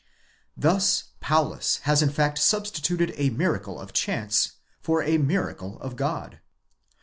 Thus Paulus has in fact substituted a miracle of chance for a miracle of God.